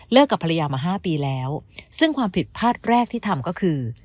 กับภรรยามาห้าปีแล้วซึ่งความผิดพลาดแรกที่ทำก็คือ